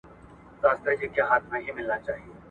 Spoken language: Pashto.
جهاد د حق د غلبې یوازینۍ لاره ده.